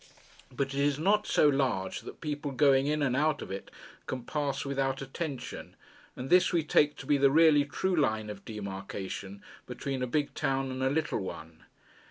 But it is not so large that people going in and out of it can pass without attention, and this we take to be the really true line of demarcation between a big town and a little one.